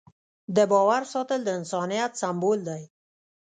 د باور ساتل د انسانیت سمبول دی.